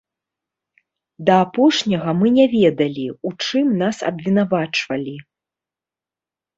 Да апошняга мы не ведалі, у чым нас абвінавачвалі.